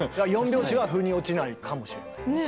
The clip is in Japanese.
４拍子はふに落ちないかもしれないね。